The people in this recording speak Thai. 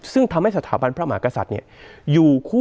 ซึ่งทำให้สถาบันพระมหากษัตริย์อยู่คู่